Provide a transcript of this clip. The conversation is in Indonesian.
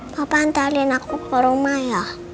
papa ntarin aku ke rumah ya